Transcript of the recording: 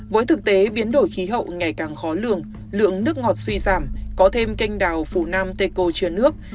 với thực tế biến đổi khí hậu ngày càng khó lường lượng nước ngọt suy giảm có thêm canh đào phunam tecco chưa nước